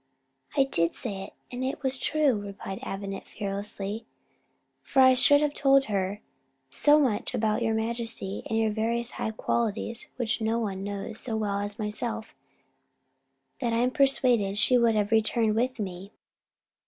"I did say it, and it was true," replied Avenant fearlessly; "for I should have told her so much about your majesty and your various high qualities, which no one knows so well as myself, that I am persuaded she would have returned with me."